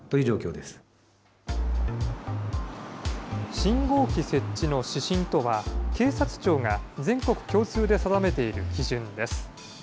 信号機設置の指針とは、警察庁が全国共通で定めている基準です。